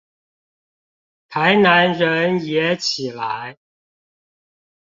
台南人也起來